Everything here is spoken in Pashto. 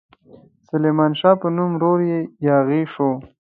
سلیمان شاه په نوم ورور یاغي شوی.